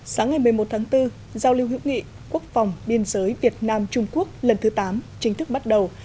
sáng ngày một mươi một tháng bốn giao lưu hữu nghị quốc phòng biên giới việt nam trung quốc lần thứ tám chính thức bắt đầu